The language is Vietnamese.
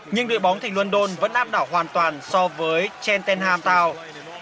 nhưng đội bóng thành london vẫn áp đảo hoàn toàn so với trenton hamtow